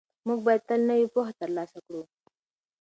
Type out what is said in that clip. موږ باید تل نوې پوهه ترلاسه کړو.